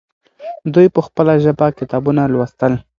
دوی په خپله ژبه کتابونه لوستل.